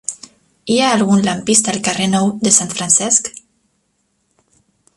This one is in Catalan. Hi ha algun lampista al carrer Nou de Sant Francesc?